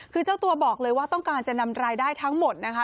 คือเจ้าตัวบอกเลยว่าต้องการจะนำรายได้ทั้งหมดนะคะ